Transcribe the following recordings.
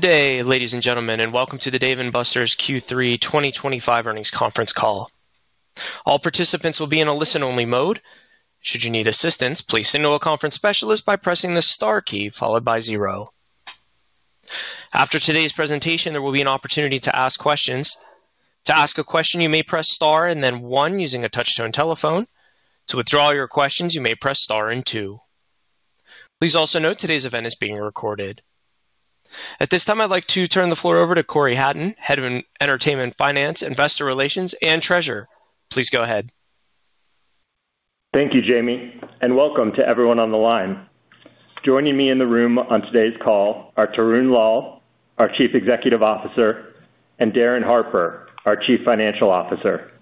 Good day, ladies and gentlemen, and welcome to the Dave & Buster's Q3 2025 earnings conference call. All participants will be in a listen-only mode. Should you need assistance, please signal a conference specialist by pressing the star key followed by zero. After today's presentation, there will be an opportunity to ask questions. To ask a question, you may press star and then one using a touch-tone telephone. To withdraw your questions, you may press star and two. Please also note today's event is being recorded. At this time, I'd like to turn the floor over to Cory Hatton, Head of Entertainment Finance, Investor Relations, and Treasurer. Please go ahead. Thank you, Jamie, and welcome to everyone on the line. Joining me in the room on today's call are Tarun Lal, our Chief Executive Officer, and Darin Harper, our Chief Financial Officer.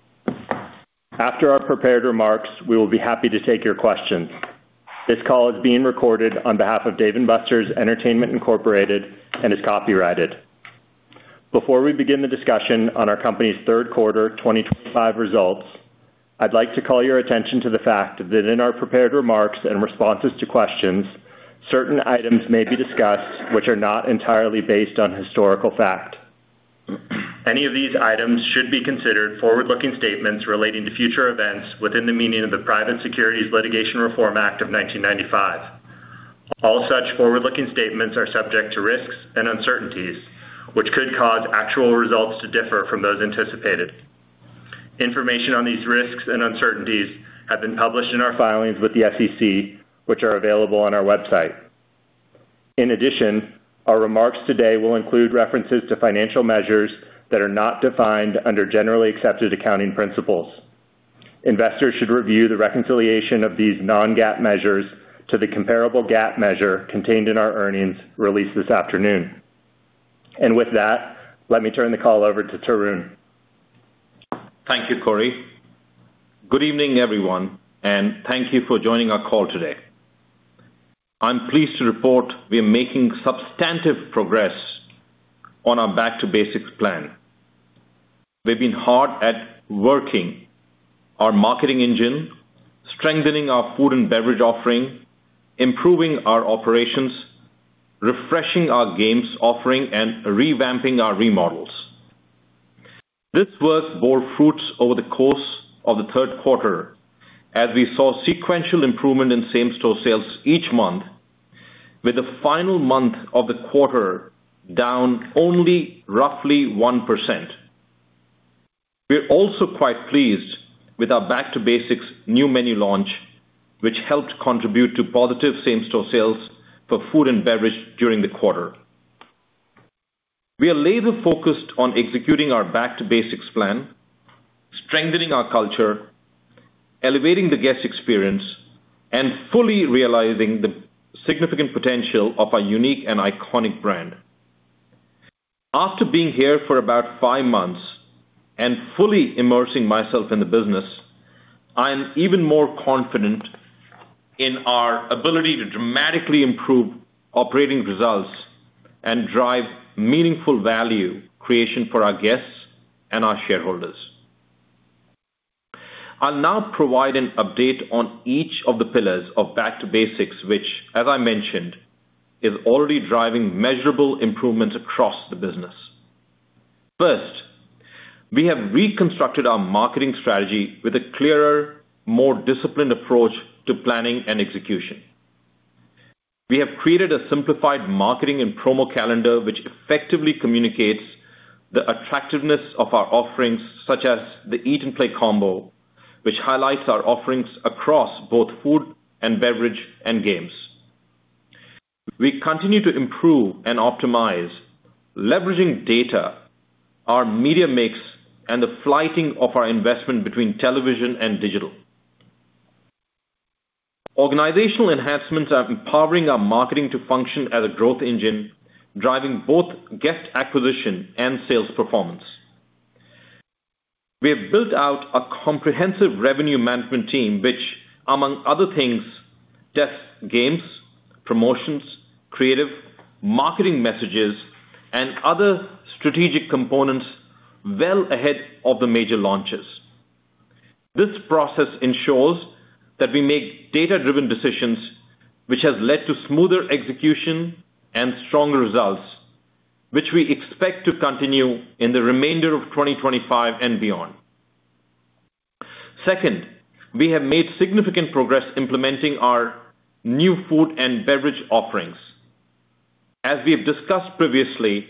After our prepared remarks, we will be happy to take your questions. This call is being recorded on behalf of Dave & Buster's Entertainment Incorporated and is copyrighted. Before we begin the discussion on our company's third quarter 2025 results, I'd like to call your attention to the fact that in our prepared remarks and responses to questions, certain items may be discussed which are not entirely based on historical fact. Any of these items should be considered forward-looking statements relating to future events within the meaning of the Private Securities Litigation Reform Act of 1995. All such forward-looking statements are subject to risks and uncertainties which could cause actual results to differ from those anticipated. Information on these risks and uncertainties have been published in our filings with the SEC, which are available on our website. In addition, our remarks today will include references to financial measures that are not defined under generally accepted accounting principles. Investors should review the reconciliation of these non-GAAP measures to the comparable GAAP measure contained in our earnings released this afternoon, and with that, let me turn the call over to Tarun. Thank you, Cory. Good evening, everyone, and thank you for joining our call today. I'm pleased to report we're making substantive progress on our back-to-basics plan. We've been hard at working our marketing engine, strengthening our food and beverage offering, improving our operations, refreshing our games offering, and revamping our remodels. This work bore fruits over the course of the third quarter as we saw sequential improvement in same-store sales each month, with the final month of the quarter down only roughly 1%. We're also quite pleased with our back-to-basics new menu launch, which helped contribute to positive same-store sales for food and beverage during the quarter. We are laser-focused on executing our back-to-basics plan, strengthening our culture, elevating the guest experience, and fully realizing the significant potential of our unique and iconic brand. After being here for about five months and fully immersing myself in the business, I'm even more confident in our ability to dramatically improve operating results and drive meaningful value creation for our guests and our shareholders. I'll now provide an update on each of the pillars of back-to-basics, which, as I mentioned, is already driving measurable improvements across the business. First, we have reconstructed our marketing strategy with a clearer, more disciplined approach to planning and execution. We have created a simplified marketing and promo calendar which effectively communicates the attractiveness of our offerings, such as the Eat & Play Combo, which highlights our offerings across both food and beverage and games. We continue to improve and optimize, leveraging data, our media mix, and the flighting of our investment between television and digital. Organizational enhancements are empowering our marketing to function as a growth engine, driving both guest acquisition and sales performance. We have built out a comprehensive revenue management team which, among other things, tests games, promotions, creative marketing messages, and other strategic components well ahead of the major launches. This process ensures that we make data-driven decisions, which has led to smoother execution and stronger results, which we expect to continue in the remainder of 2025 and beyond. Second, we have made significant progress implementing our new food and beverage offerings. As we have discussed previously,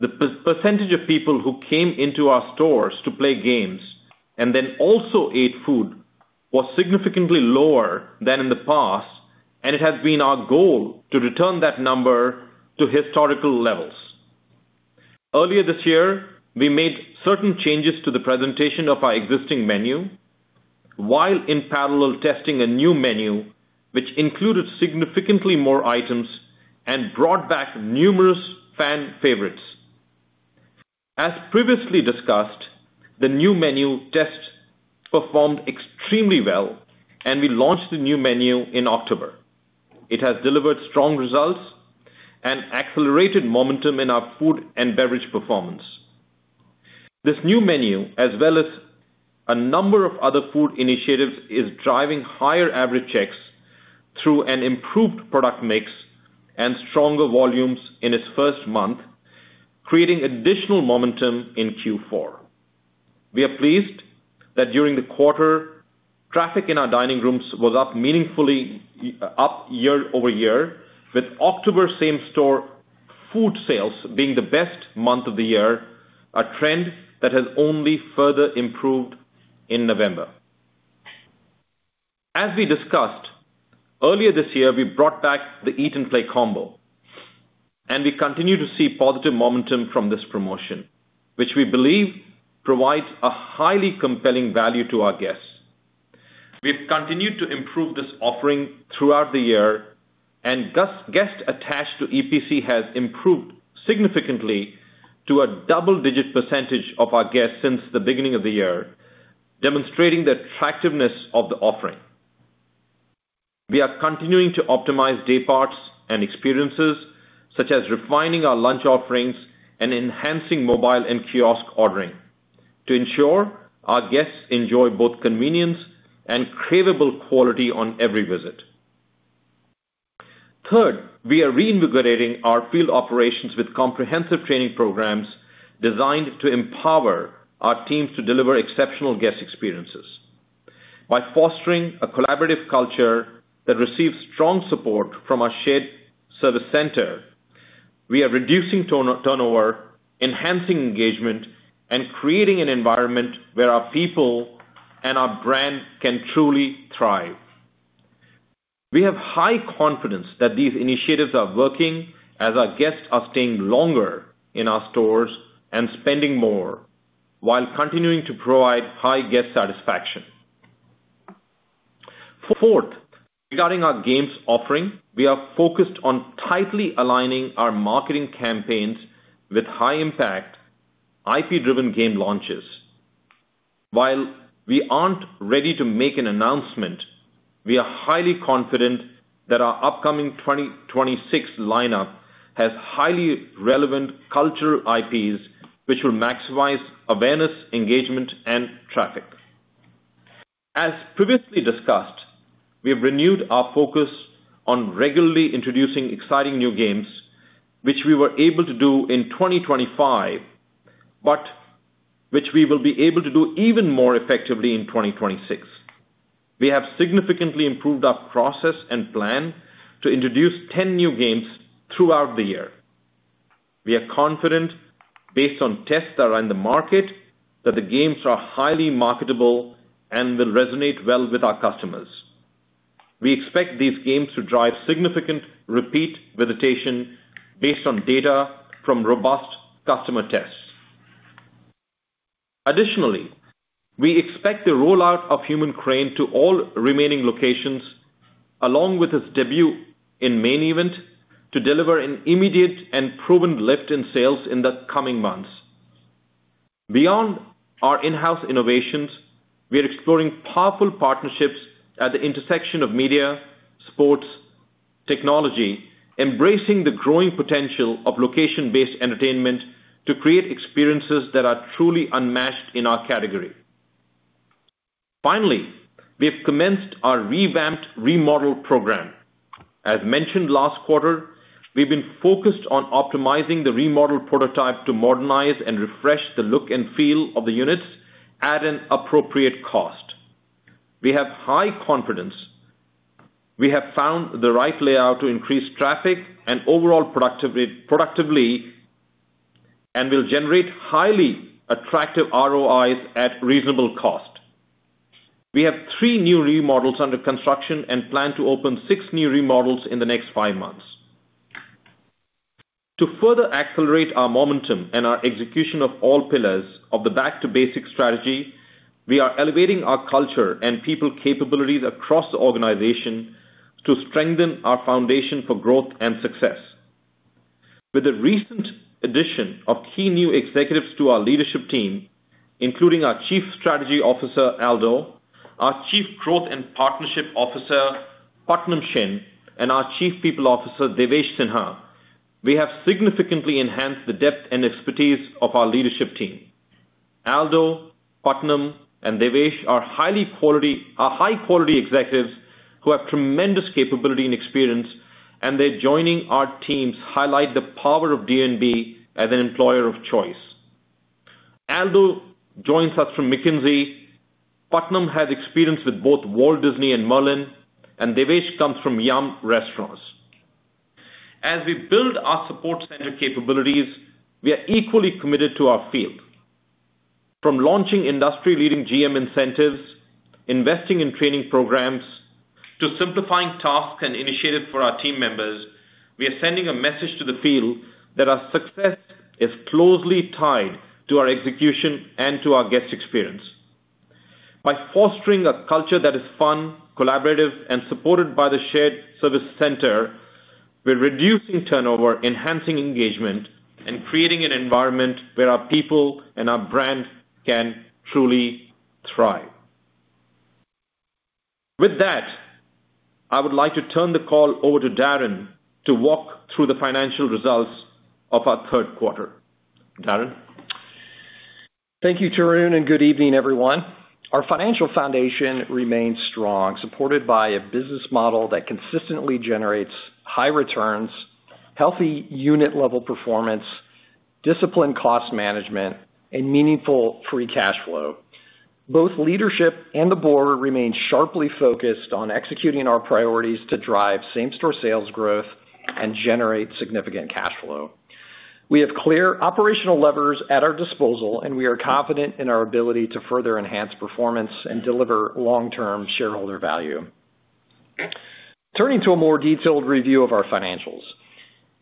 the percentage of people who came into our stores to play games and then also ate food was significantly lower than in the past, and it has been our goal to return that number to historical levels. Earlier this year, we made certain changes to the presentation of our existing menu while in parallel testing a new menu which included significantly more items and brought back numerous fan favorites. As previously discussed, the new menu test performed extremely well, and we launched the new menu in October. It has delivered strong results and accelerated momentum in our food and beverage performance. This new menu, as well as a number of other food initiatives, is driving higher average checks through an improved product mix and stronger volumes in its first month, creating additional momentum in Q4. We are pleased that during the quarter, traffic in our dining rooms was up meaningfully year over year, with October same-store food sales being the best month of the year, a trend that has only further improved in November. As we discussed earlier this year, we brought back the Eat & Play Combo, and we continue to see positive momentum from this promotion, which we believe provides a highly compelling value to our guests. We have continued to improve this offering throughout the year, and guest attached to EPC has improved significantly to a double-digit % of our guests since the beginning of the year, demonstrating the attractiveness of the offering. We are continuing to optimize dayparts and experiences, such as refining our lunch offerings and enhancing mobile and kiosk ordering, to ensure our guests enjoy both convenience and craveable quality on every visit. Third, we are reinvigorating our field operations with comprehensive training programs designed to empower our teams to deliver exceptional guest experiences. By fostering a collaborative culture that receives strong support from our shared service center, we are reducing turnover, enhancing engagement, and creating an environment where our people and our brand can truly thrive. We have high confidence that these initiatives are working as our guests are staying longer in our stores and spending more while continuing to provide high guest satisfaction. Fourth, regarding our games offering, we are focused on tightly aligning our marketing campaigns with high-impact IP-driven game launches. While we aren't ready to make an announcement, we are highly confident that our upcoming 2026 lineup has highly relevant cultural IPs which will maximize awareness, engagement, and traffic. As previously discussed, we have renewed our focus on regularly introducing exciting new games, which we were able to do in 2025, but which we will be able to do even more effectively in 2026. We have significantly improved our process and plan to introduce 10 new games throughout the year. We are confident, based on tests that are in the market, that the games are highly marketable and will resonate well with our customers. We expect these games to drive significant repeat visitation based on data from robust customer tests. Additionally, we expect the rollout of Human Crane to all remaining locations, along with its debut in Main Event, to deliver an immediate and proven lift in sales in the coming months. Beyond our in-house innovations, we are exploring powerful partnerships at the intersection of media, sports, and technology, embracing the growing potential of location-based entertainment to create experiences that are truly unmatched in our category. Finally, we have commenced our revamped remodel program. As mentioned last quarter, we've been focused on optimizing the remodel prototype to modernize and refresh the look and feel of the units at an appropriate cost. We have high confidence. We have found the right layout to increase traffic and overall productivity and will generate highly attractive ROIs at reasonable cost. We have three new remodels under construction and plan to open six new remodels in the next five months. To further accelerate our momentum and our execution of all pillars of the back-to-basics strategy, we are elevating our culture and people capabilities across the organization to strengthen our foundation for growth and success. With the recent addition of key new executives to our leadership team, including our Chief Strategy Officer, Aldo, our Chief Growth and Partnership Officer, Putnam Shin, and our Chief People Officer, Devesh Sinha, we have significantly enhanced the depth and expertise of our leadership team. Aldo, Putnam, and Devesh are high-quality executives who have tremendous capability and experience, and their joining our teams highlights the power of D&B as an employer of choice. Aldo joins us from McKinsey, Pattnam has experience with both Walt Disney and Merlin, and Devesh comes from Yum! restaurants. As we build our support center capabilities, we are equally committed to our field. From launching industry-leading GM incentives, investing in training programs, to simplifying tasks and initiatives for our team members, we are sending a message to the field that our success is closely tied to our execution and to our guest experience. By fostering a culture that is fun, collaborative, and supported by the shared service center, we're reducing turnover, enhancing engagement, and creating an environment where our people and our brand can truly thrive. With that, I would like to turn the call over to Darin to walk through the financial results of our third quarter. Darin. Thank you, Tarun, and good evening, everyone. Our financial foundation remains strong, supported by a business model that consistently generates high returns, healthy unit-level performance, disciplined cost management, and meaningful free cash flow. Both leadership and the board remain sharply focused on executing our priorities to drive same-store sales growth and generate significant cash flow. We have clear operational levers at our disposal, and we are confident in our ability to further enhance performance and deliver long-term shareholder value. Turning to a more detailed review of our financials.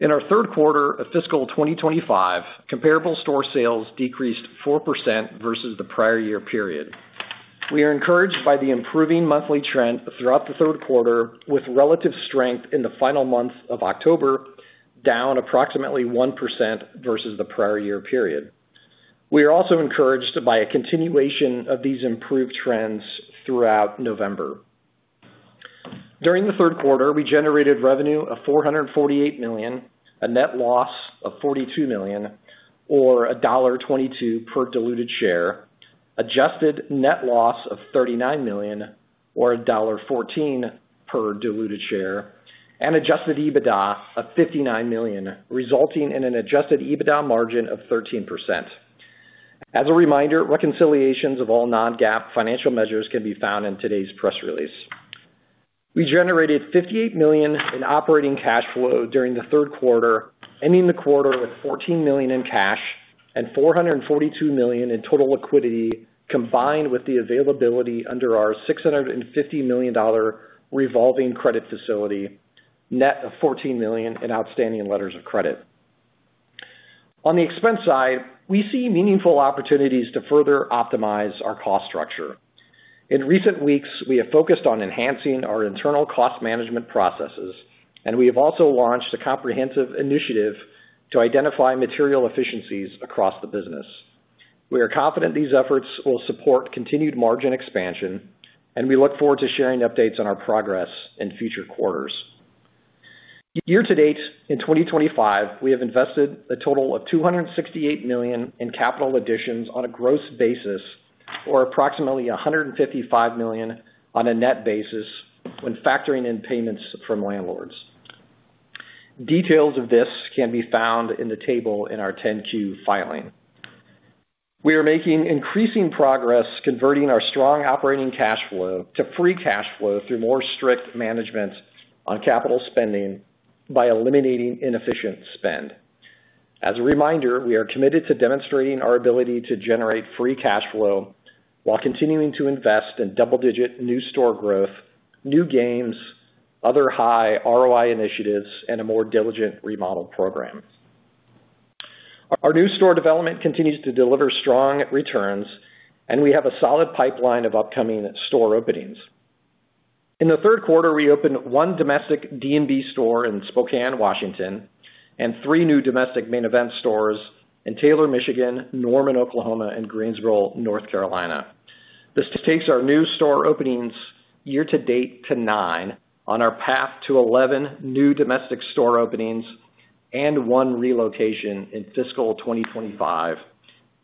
In our third quarter of fiscal 2025, comparable store sales decreased 4% versus the prior year period. We are encouraged by the improving monthly trend throughout the third quarter, with relative strength in the final month of October down approximately 1% versus the prior year period. We are also encouraged by a continuation of these improved trends throughout November. During the third quarter, we generated revenue of $448 million, a net loss of $42 million, or $1.22 per diluted share, adjusted net loss of $39 million, or $1.14 per diluted share, and adjusted EBITDA of $59 million, resulting in an adjusted EBITDA margin of 13%. As a reminder, reconciliations of all non-GAAP financial measures can be found in today's press release. We generated $58 million in operating cash flow during the third quarter, ending the quarter with $14 million in cash and $442 million in total liquidity, combined with the availability under our $650 million revolving credit facility, net of $14 million in outstanding letters of credit. On the expense side, we see meaningful opportunities to further optimize our cost structure. In recent weeks, we have focused on enhancing our internal cost management processes, and we have also launched a comprehensive initiative to identify material efficiencies across the business. We are confident these efforts will support continued margin expansion, and we look forward to sharing updates on our progress in future quarters. Year to date, in 2025, we have invested a total of $268 million in capital additions on a gross basis, or approximately $155 million on a net basis when factoring in payments from landlords. Details of this can be found in the table in our 10-Q filing. We are making increasing progress converting our strong operating cash flow to free cash flow through more strict management on capital spending by eliminating inefficient spend. As a reminder, we are committed to demonstrating our ability to generate free cash flow while continuing to invest in double-digit new store growth, new games, other high ROI initiatives, and a more diligent remodel program. Our new store development continues to deliver strong returns, and we have a solid pipeline of upcoming store openings. In the third quarter, we opened one domestic D&B store in Spokane, Washington, and three new domestic Main Event stores in Taylor, Michigan, Norman, Oklahoma, and Greensboro, North Carolina. This takes our new store openings year to date to nine, on our path to 11 new domestic store openings and one relocation in fiscal 2025,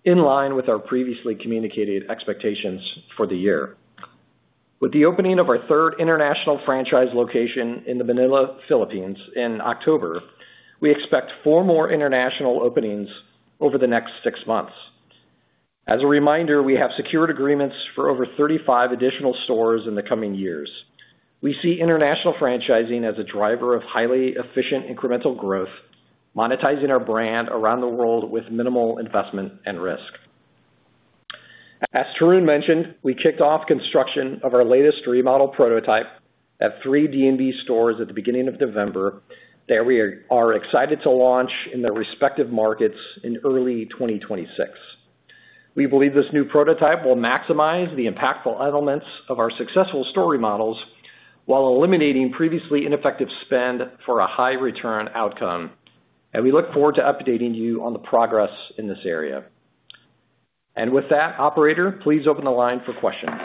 in line with our previously communicated expectations for the year. With the opening of our third international franchise location in Manila, Philippines, in October, we expect four more international openings over the next six months. As a reminder, we have secured agreements for over 35 additional stores in the coming years. We see international franchising as a driver of highly efficient incremental growth, monetizing our brand around the world with minimal investment and risk. As Tarun mentioned, we kicked off construction of our latest remodel prototype at three D&B stores at the beginning of November. There, we are excited to launch in their respective markets in early 2026. We believe this new prototype will maximize the impactful elements of our successful store remodels while eliminating previously ineffective spend for a high-return outcome, and we look forward to updating you on the progress in this area, and with that, Operator, please open the line for questions.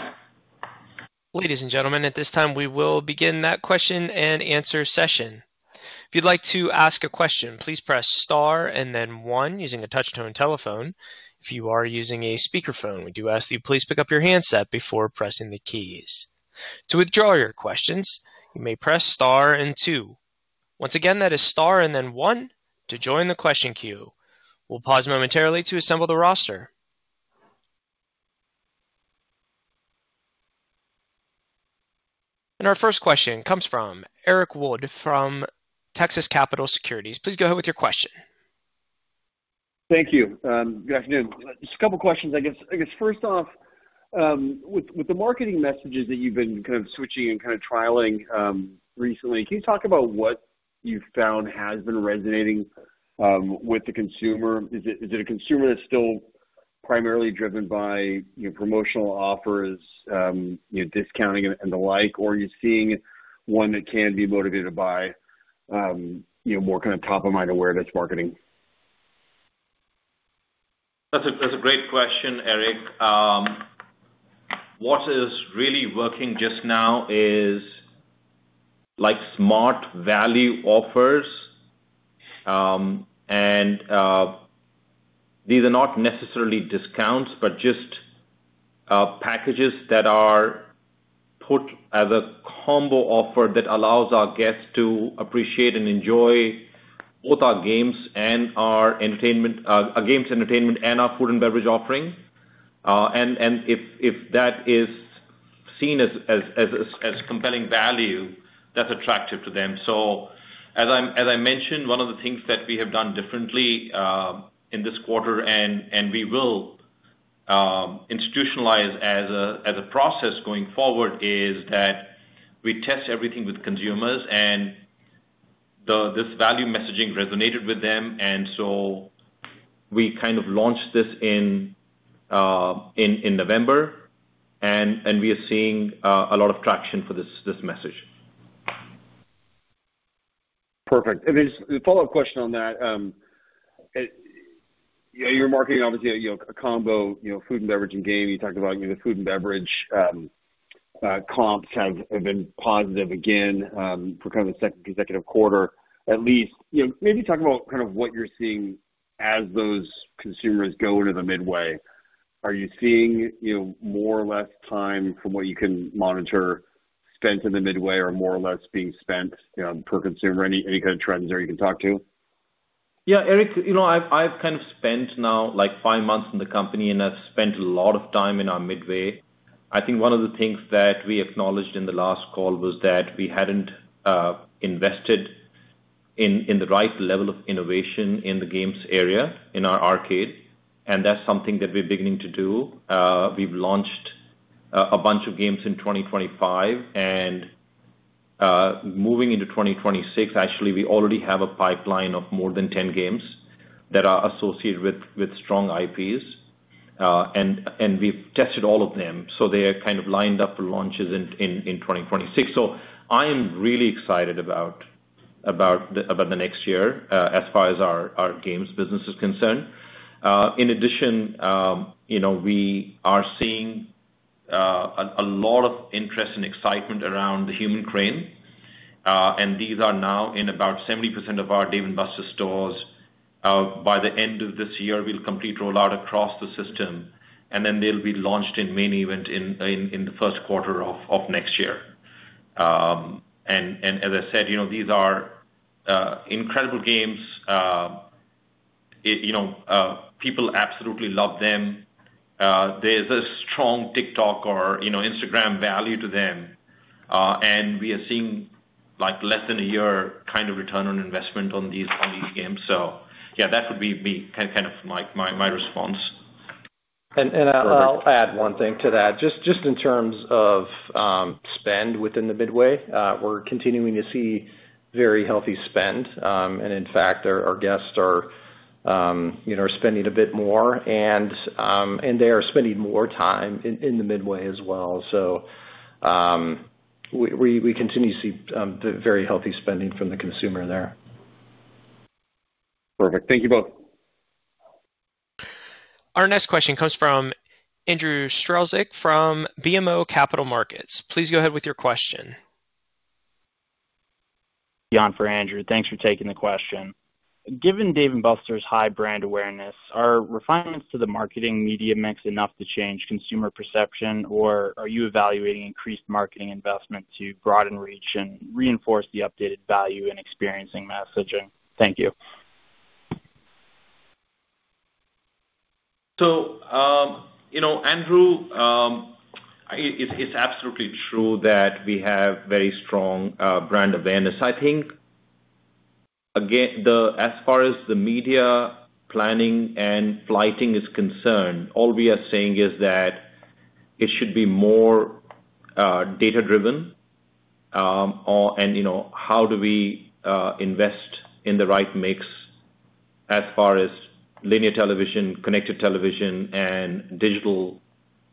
Ladies and gentlemen, at this time, we will begin that question and answer session. If you'd like to ask a question, please press star and then one using a touch-tone telephone. If you are using a speakerphone, we do ask that you please pick up your handset before pressing the keys. To withdraw your questions, you may press star and two. Once again, that is star and then one to join the question queue. We'll pause momentarily to assemble the roster. Our first question comes from Eric Wold from Texas Capital Securities. Please go ahead with your question. Thank you. Good afternoon. Just a couple of questions, I guess. I guess, first off, with the marketing messages that you've been kind of switching and kind of trialing recently, can you talk about what you found has been resonating with the consumer? Is it a consumer that's still primarily driven by promotional offers, discounting, and the like, or are you seeing one that can be motivated by more kind of top-of-mind awareness marketing? That's a great question, Eric. What is really working just now is smart value offers, and these are not necessarily discounts, but just packages that are put as a combo offer that allows our guests to appreciate and enjoy both our games and our games entertainment and our food and beverage offering. And if that is seen as compelling value, that's attractive to them. So, as I mentioned, one of the things that we have done differently in this quarter, and we will institutionalize as a process going forward, is that we test everything with consumers, and this value messaging resonated with them. And so we kind of launched this in November, and we are seeing a lot of traction for this message. Perfect. And then the follow-up question on that, you're marketing, obviously, a combo food and beverage and game. You talked about the food and beverage comps have been positive again for kind of the second consecutive quarter, at least. Maybe talk about kind of what you're seeing as those consumers go into the Midway. Are you seeing more or less time from what you can monitor spent in the Midway or more or less being spent per consumer? Any kind of trends there you can talk to? Yeah, Eric, I've kind of spent now like five months in the company, and I've spent a lot of time in our Midway. I think one of the things that we acknowledged in the last call was that we hadn't invested in the right level of innovation in the games area in our arcade, and that's something that we're beginning to do. We've launched a bunch of games in 2025, and moving into 2026, actually, we already have a pipeline of more than 10 games that are associated with strong IPs, and we've tested all of them. So they're kind of lined up for launches in 2026. So I'm really excited about the next year as far as our games business is concerned. In addition, we are seeing a lot of interest and excitement around the Human Crane, and these are now in about 70% of our Dave & Buster's stores. By the end of this year, we'll complete rollout across the system, and then they'll be launched in Main Event in the first quarter of next year. And as I said, these are incredible games. People absolutely love them. There's a strong TikTok or Instagram value to them, and we are seeing less than a year kind of return on investment on these games. So, yeah, that would be kind of my response. And I'll add one thing to that. Just in terms of spend within the Midway, we're continuing to see very healthy spend. And in fact, our guests are spending a bit more, and they are spending more time in the Midway as well. So we continue to see very healthy spending from the consumer there. Perfect. Thank you both. Our next question comes from Andrew Strelzik from BMO Capital Markets. Please go ahead with your question. Yan for Andrew. Thanks for taking the question. Given Dave & Buster's high brand awareness, are refinements to the marketing media mix enough to change consumer perception, or are you evaluating increased marketing investment to broaden reach and reinforce the updated value and experiencing messaging? Thank you. So, Andrew, it's absolutely true that we have very strong brand awareness. I think, again, as far as the media planning and placement is concerned, all we are saying is that it should be more data-driven and how do we invest in the right mix as far as linear television, connected television, and digital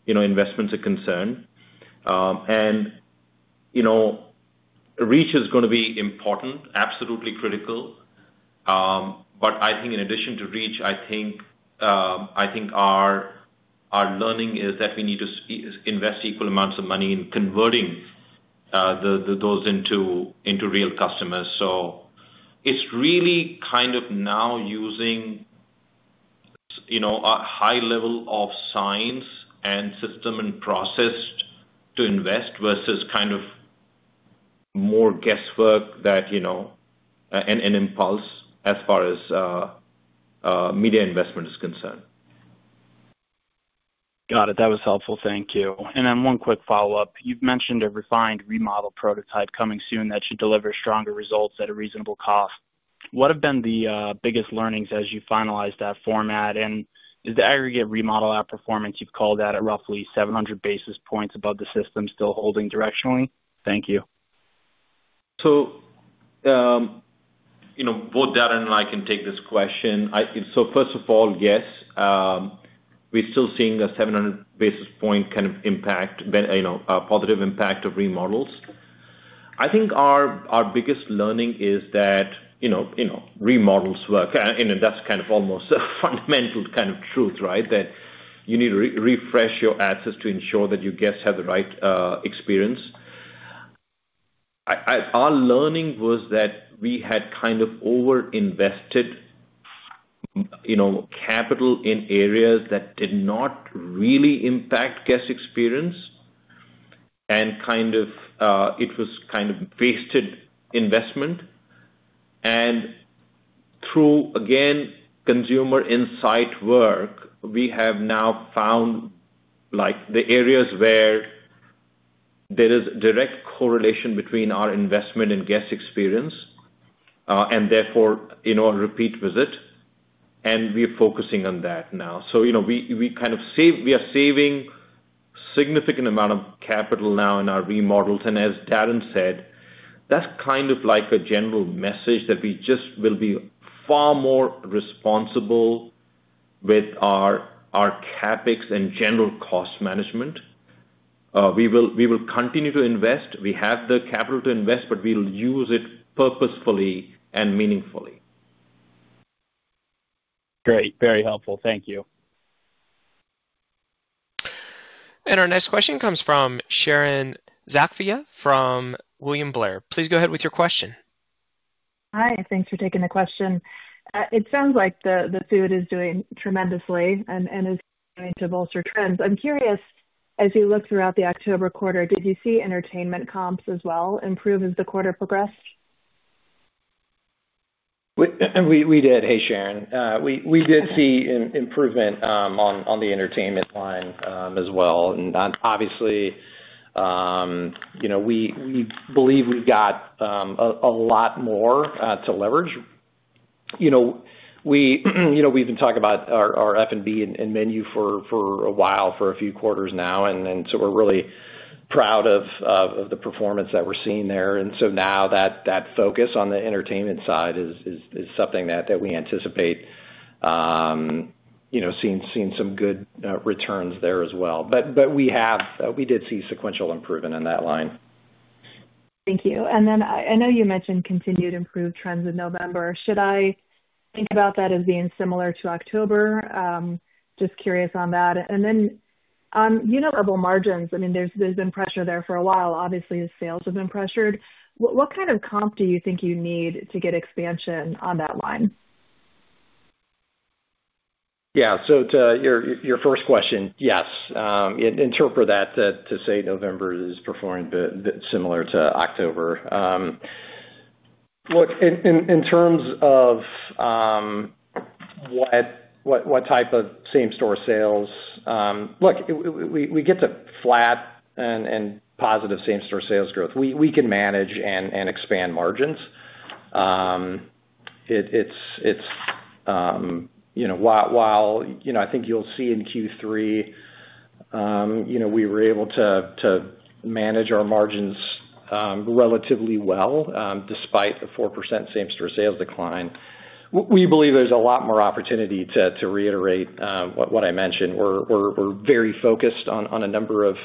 investments are concerned. And reach is going to be important, absolutely critical. But I think in addition to reach, I think our learning is that we need to invest equal amounts of money in converting those into real customers. So it's really kind of now using a high level of science and system and process to invest versus kind of more guesswork and impulse as far as media investment is concerned. Got it. That was helpful. Thank you. And then one quick follow-up. You've mentioned a refined remodel prototype coming soon that should deliver stronger results at a reasonable cost. What have been the biggest learnings as you finalized that format? And is the aggregate remodel outperformance, you've called that, at roughly 700 basis points above the system still holding directionally? Thank you. So, both Darin and I can take this question. So, first of all, yes, we're still seeing a 700 basis point kind of impact, a positive impact of remodels. I think our biggest learning is that remodels work. And that's kind of almost a fundamental kind of truth, right, that you need to refresh your assets to ensure that your guests have the right experience. Our learning was that we had kind of over-invested capital in areas that did not really impact guest experience, and kind of it was kind of wasted investment. And through, again, consumer insight work, we have now found the areas where there is a direct correlation between our investment and guest experience and therefore repeat visit, and we're focusing on that now. So we kind of are saving a significant amount of capital now in our remodels. As Darin said, that's kind of like a general message that we just will be far more responsible with our CapEx and general cost management. We will continue to invest. We have the capital to invest, but we'll use it purposefully and meaningfully. Great. Very helpful. Thank you. Our next question comes from Sharon Zackfia from William Blair. Please go ahead with your question. Hi. Thanks for taking the question. It sounds like the food is doing tremendously and is going to bolster trends. I'm curious, as you look throughout the October quarter, did you see entertainment comps as well improve as the quarter progressed? And we did. Hey, Sharon. We did see improvement on the entertainment line as well. And obviously, we believe we've got a lot more to leverage. We've been talking about our F&B and menu for a while for a few quarters now, and so we're really proud of the performance that we're seeing there. And so now that focus on the entertainment side is something that we anticipate seeing some good returns there as well. But we did see sequential improvement in that line. Thank you. And then I know you mentioned continued improved trends in November. Should I think about that as being similar to October? Just curious on that. And then on unit-level margins, I mean, there's been pressure there for a while. Obviously, the sales have been pressured. What kind of comps do you think you need to get expansion on that line? Yeah. So to your first question, yes. Interpret that to say November is performing a bit similar to October. Look, in terms of what type of same-store sales, look, we get to flat and positive same-store sales growth. We can manage and expand margins. It's while I think you'll see in Q3, we were able to manage our margins relatively well despite the 4% same-store sales decline. We believe there's a lot more opportunity to reiterate what I mentioned. We're very focused on a number of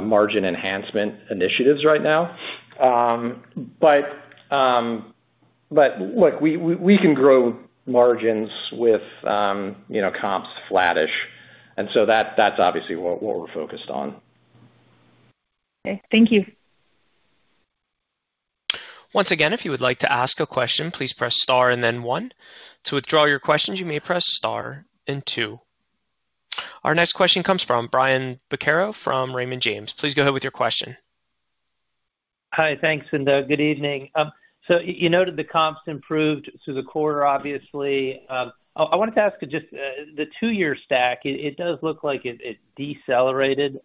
margin enhancement initiatives right now. But look, we can grow margins with comps flattish. And so that's obviously what we're focused on. Okay. Thank you. Once again, if you would like to ask a question, please press star and then one. To withdraw your questions, you may press star and two. Our next question comes from Brian Vaccaro from Raymond James. Please go ahead with your question. Hi. Thanks, Cynthia. Good evening. So you noted the comps improved through the quarter, obviously. I wanted to ask just the two-year stack. It does look like it decelerated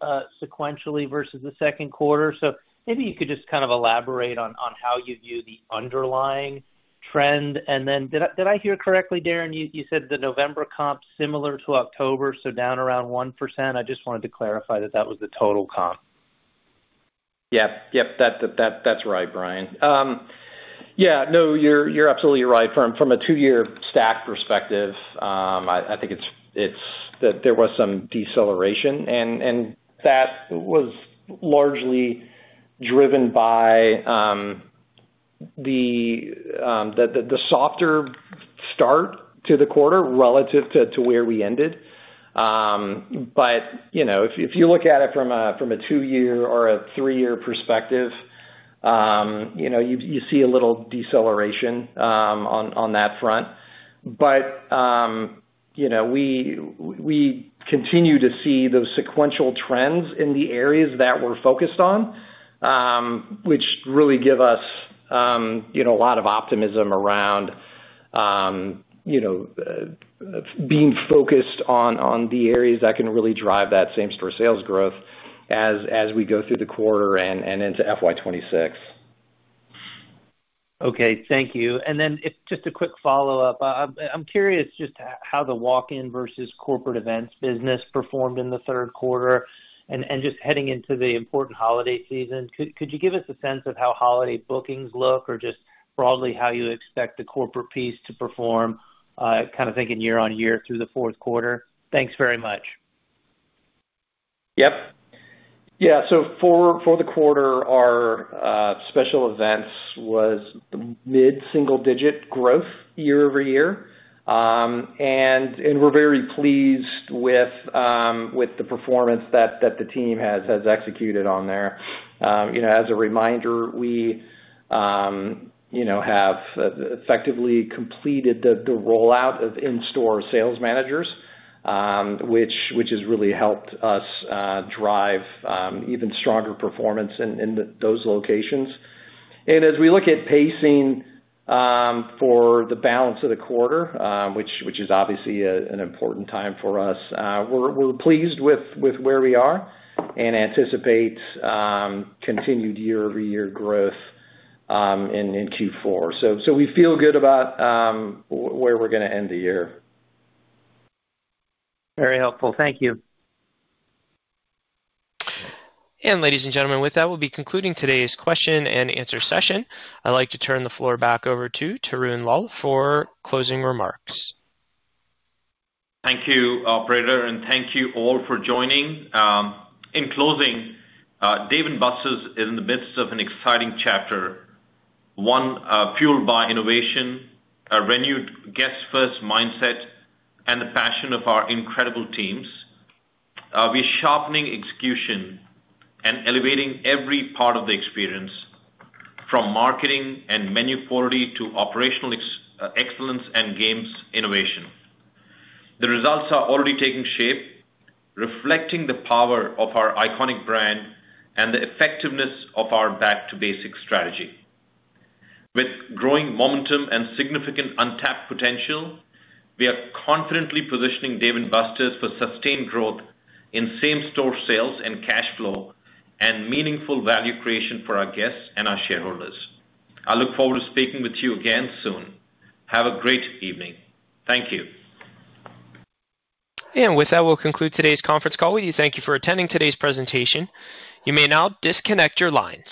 sequentially versus the second quarter. So maybe you could just kind of elaborate on how you view the underlying trend. And then did I hear correctly, Darin? You said the November comps similar to October, so down around 1%. I just wanted to clarify that that was the total comp. Yep. Yep. That's right, Brian. Yeah. No, you're absolutely right. From a two-year stack perspective, I think there was some deceleration, and that was largely driven by the softer start to the quarter relative to where we ended. But if you look at it from a two-year or a three-year perspective, you see a little deceleration on that front. But we continue to see those sequential trends in the areas that we're focused on, which really give us a lot of optimism around being focused on the areas that can really drive that same-store sales growth as we go through the quarter and into FY26. Okay. Thank you. And then just a quick follow-up. I'm curious just how the walk-in versus corporate events business performed in the third quarter. And just heading into the important holiday season, could you give us a sense of how holiday bookings look or just broadly how you expect the corporate piece to perform, kind of thinking year on year through the fourth quarter? Thanks very much. Yep. Yeah, so for the quarter, our special events was mid-single-digit growth year over year, and we're very pleased with the performance that the team has executed on there. As a reminder, we have effectively completed the rollout of in-store sales managers, which has really helped us drive even stronger performance in those locations, and as we look at pacing for the balance of the quarter, which is obviously an important time for us, we're pleased with where we are and anticipate continued year-over-year growth in Q4, so we feel good about where we're going to end the year. Very helpful. Thank you. Ladies and gentlemen, with that, we'll be concluding today's question and answer session. I'd like to turn the floor back over to Tarun Lal for closing remarks. Thank you, Operator, and thank you all for joining. In closing, Dave & Buster's is in the midst of an exciting chapter, one fueled by innovation, a renewed guest-first mindset, and the passion of our incredible teams. We're sharpening execution and elevating every part of the experience from marketing and menu quality to operational excellence and games innovation. The results are already taking shape, reflecting the power of our iconic brand and the effectiveness of our back-to-basics strategy. With growing momentum and significant untapped potential, we are confidently positioning Dave & Buster's for sustained growth in same-store sales and cash flow and meaningful value creation for our guests and our shareholders. I look forward to speaking with you again soon. Have a great evening. Thank you. With that, we'll conclude today's conference call. We thank you for attending today's presentation. You may now disconnect your lines.